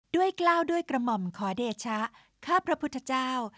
กล้าวด้วยกระหม่อมขอเดชะข้าพระพุทธเจ้า